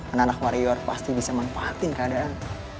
anak anak warrior pasti bisa manfaatin keadaan